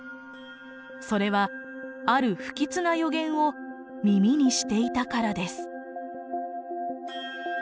それはある不吉な予言を耳にしていたからです。